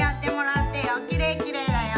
きれいきれいだよ。